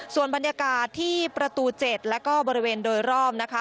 ส่วนบรรยากาศที่ประตู๗และบริเวณโดยรอบ